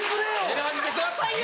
選んでくださいよ！